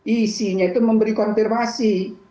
isinya itu memberi konfirmasi